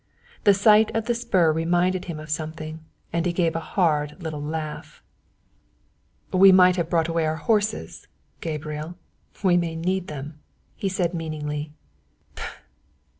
The sight of the spur reminded him of something, and he gave a hard little laugh. "We might have brought away our horses, Gabriel we may need them," he said meaningly.